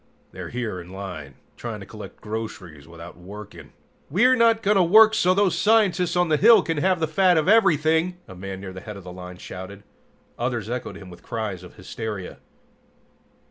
They're here in line, trying to collect groceries without working!" "We're not going to work so those scientists on the hill can have the fat of everything!" a man near the head of the line shouted. Others echoed him with cries of hysteria.